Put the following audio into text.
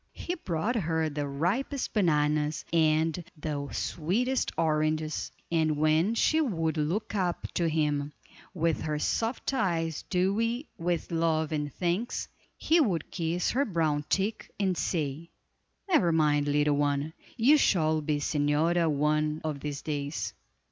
He brought her the ripest bananas, and the sweetest oranges, and when she would look up to him, with her soft eyes dewy with love and thanks, he would kiss her brown cheek, and say: "Never mind, little one, you shall be señora one of these days."